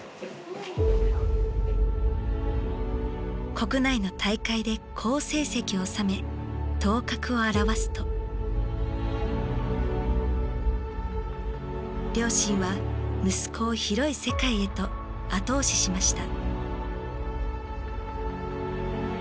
国内の大会で好成績を収め頭角を現すと両親は息子を広い世界へと後押ししました。